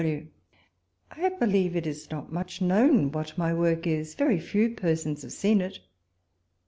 W. I believe it is not much known wiiat my woj k is, very few persons have seen it.